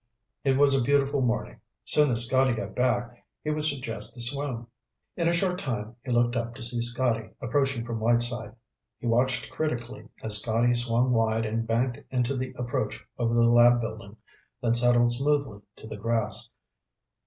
It was a beautiful morning. Soon as Scotty got back he would suggest a swim. In a short time he looked up to see Scotty approaching from Whiteside. He watched critically as Scotty swung wide and banked into the approach over the lab building, then settled smoothly to the grass.